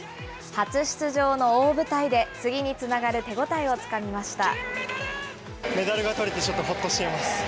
初出場の大舞台で、次につながる手応えをつかみました。